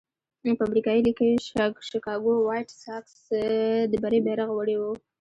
په امریکایي لېګ کې شکاګو وایټ ساکس د بري بیرغ وړی وو.